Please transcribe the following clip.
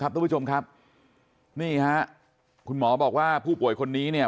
ทุกผู้ชมครับนี่ฮะคุณหมอบอกว่าผู้ป่วยคนนี้เนี่ย